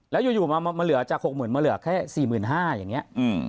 แล้วอยู่มาเหลือจาก๖หมื่นมาเหลือแค่๔หมื่น๕อย่างเนี่ย